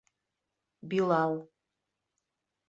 Билал.